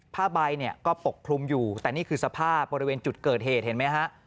ผ้าใบเนี่ยก็ปกคลุมอยู่แต่นี่คือสภาพบริเวณจุดเกิดเหตุเห็นไหมฮะ